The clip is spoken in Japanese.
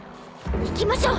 行きましょう。